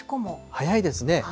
早いですね。